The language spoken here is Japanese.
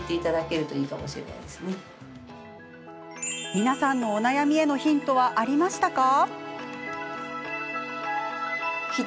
皆さんのお悩みへのヒントはありましたか？